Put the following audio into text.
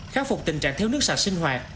khắc phục tình trạng theo nước sạch sinh hoạt